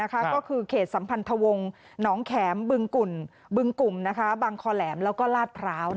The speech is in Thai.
ก็คือเขตสัมพันธวงศ์หนองแข็มบึงบึงกลุ่มบางคอแหลมแล้วก็ลาดพร้าว